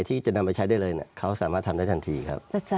ที่จะนำไปใช้ได้เลยเขาสามารถทำได้ทันทีครับ